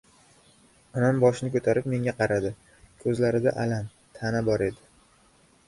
Onam boshini ko‘tarib menga qaradi. Ko‘zlarida alam, ta’na bor edi.